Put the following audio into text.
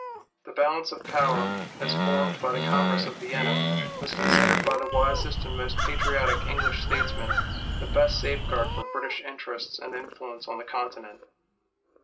The balance of power, as formed by the Congress of Vienna, was considered by the wisest and most patriotic English statesmen, the best safeguard for British interests and influence on the Continent.